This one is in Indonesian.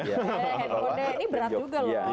handphone deh ini berat juga loh